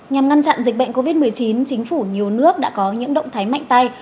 nhằm ngăn chặn dịch bệnh covid một mươi chín chính phủ nhiều nước đã có những động thái mạnh tay